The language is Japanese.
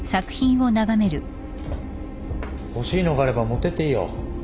欲しいのがあれば持ってっていいよ。